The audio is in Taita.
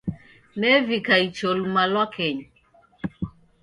Nevika icho luma lwakenyi.